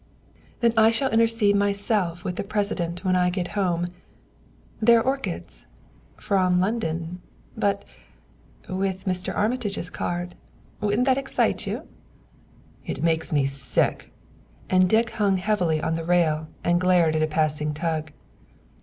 "Then I shall intercede myself with the President when I get home. They're orchids from London but with Mr. Armitage's card. Wouldn't that excite you?" "It makes me sick!" and Dick hung heavily on the rail and glared at a passing tug.